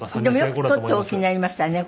でもよく取っておきになりましたね